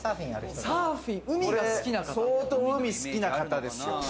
これ相当、海好きな方ですよ。